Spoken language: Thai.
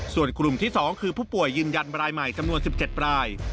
ส่วนกลุ่มที่๒คือผู้ป่วยยืนยันรายใหม่จำนวน๑๗ราย